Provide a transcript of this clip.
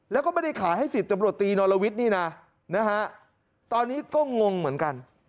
แล้วก็ไม่ได้ขายให้ศิษย์จับรวจตีนอลลาวิทนี่นะฮะตอนนี้ก็งงเหมือนกัน